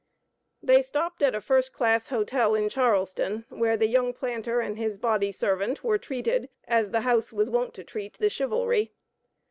They stopped at a first class hotel in Charleston, where the young planter and his body servant were treated, as the house was wont to treat the chivalry.